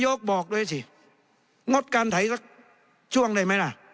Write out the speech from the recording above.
บอกด้วยสิงดการไถสักช่วงได้ไหมล่ะ